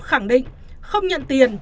khẳng định không nhận tiền